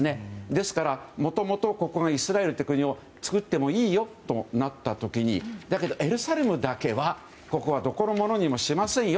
ですから、もともとイスラエルという国を作ってもいいよとなった時にだけどエルサレムだけはここはどこのものにもしませんよ。